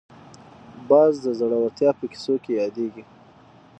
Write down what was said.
باز د زړورتیا په کیسو کې یادېږي